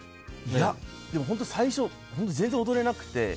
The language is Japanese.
いや、でも本当に最初は全然踊れなくて。